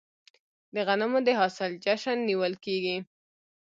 د غنمو د حاصل جشن نیول کیږي.